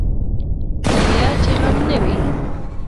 کرميه چې غم نه وي.